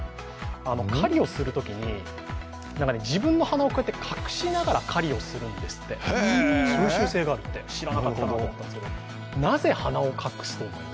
狩りをするときに、自分の鼻を隠しながら狩りをするんですってそういう習性があるって知らなかったですけどなぜ鼻を隠すのか。